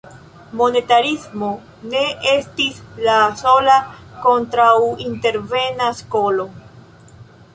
Monetarismo ne estis la sola kontraŭintervena skolo.